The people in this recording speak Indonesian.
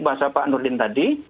bahasa pak nur din tadi